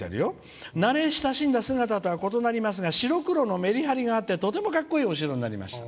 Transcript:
慣れ親しんだ姿とは異なりますが白黒のメリハリがありとてもかっこいいお城になりました。